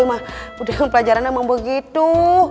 budaya pelajaran emang begitu